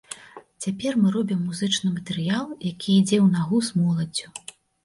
Цяпер мы робім музычны матэрыял, які ідзе ў нагу з моладдзю.